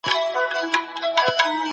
که يو څوک د ميراث حق ولري پاچا به سي.